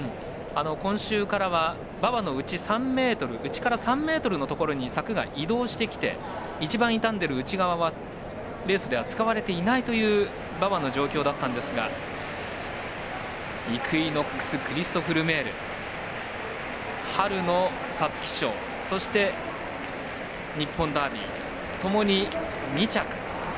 今週からは馬場の内３ｍ内から３ｍのところに移動してきて一番傷んでいる内側はレースで使われていない馬場の状況だったんですがイクイノックスクリストフ・ルメール春の皐月賞、そして日本ダービーともに２着。